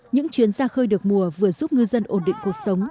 những chuyến ra khơi được mùa vừa giúp ngư dân ổn định cuộc sống